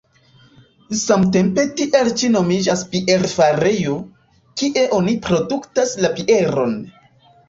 Samtempe tiel ĉi nomiĝas bierfarejo, kie oni produktas la bieron.